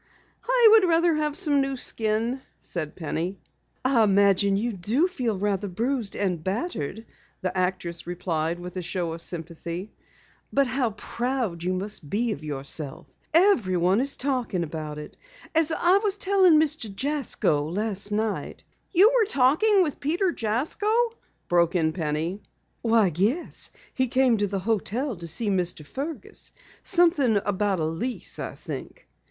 "I would rather have some new skin," said Penny. "I imagine you do feel rather bruised and battered," the actress replied with a show of sympathy. "But how proud you must be of yourself! Everyone is talking about it! As I was telling Mr. Jasko last night " "You were talking with Peter Jasko?" broke in Penny. "Yes, he came to the hotel to see Mr. Fergus something about a lease, I think.